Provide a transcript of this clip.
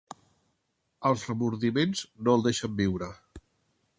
Els remordiments no el deixen viure.